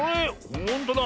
ほんとだ。